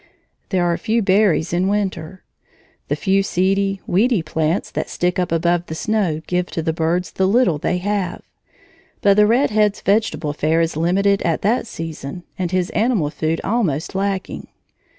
There are few berries in winter. The few seedy, weedy plants that stick up above the snow give to the birds the little they have; but the red head's vegetable fare is limited at that season and his animal food almost lacking.